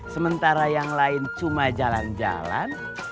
sementara yang lain cuma jalan jalan